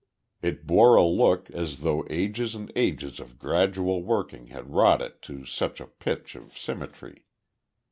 It bore a look as though ages and ages of gradual working had wrought it to such a pitch of symmetry.